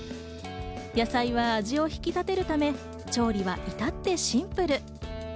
野菜は味を引き立てるため調理はいたってシンプル。